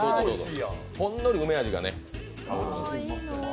ほんのり梅味がね。